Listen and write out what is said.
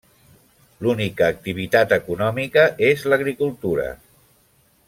L'única activitat econòmica és l'agricultura.